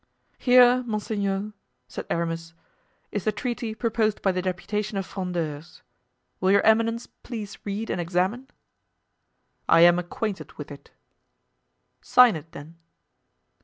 "Here, monseigneur," said Aramis, "is the treaty proposed by the deputation of Frondeurs. Will your eminence please read and examine?" "I am acquainted with it." "Sign it, then."